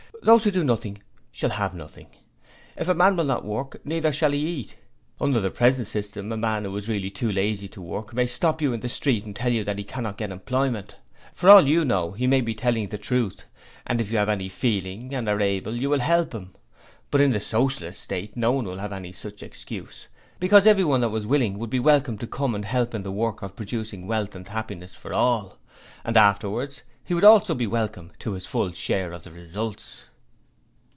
Those who do nothing shall have nothing. If any man will not work, neither shall he eat. Under the present system a man who is really too lazy to work may stop you in the street and tell you that he cannot get employment. For all you know, he may be telling the truth, and if you have any feeling and are able, you will help him. But in the Socialist State no one would have such an excuse, because everyone that was willing would be welcome to come and help in the work of producing wealth and happiness for all, and afterwards he would also be welcome to his full share of the results.'